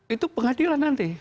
itu pengadilan nanti